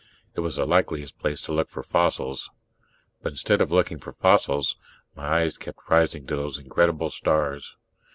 It was the likeliest place to look for fossils. But instead of looking for fossils, my eyes kept rising to those incredible stars.